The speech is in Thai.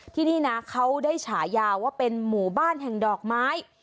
ที่นี่นะเขาได้ฉายาว่าเป็นหมู่บ้านแห่งดอกไม้